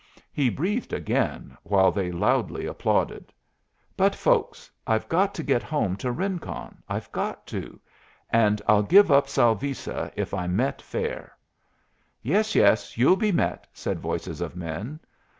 He breathed again, while they loudly applauded. "But, folks, I've got to get home to Rincon. I've got to. And I'll give up Salvisa if I'm met fair." "Yes, yes, you'll be met," said voices of men.